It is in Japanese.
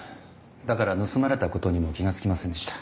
だから盗まれたことにも気が付きませんでした。